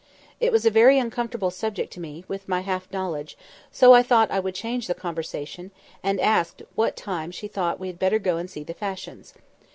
It was a very uncomfortable subject to me, with my half knowledge; so I thought I would change the conversation, and I asked at what time she thought we had better go and see the fashions.